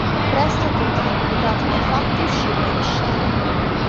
Presto tutti gli implicati nei fatti uscirono di scena.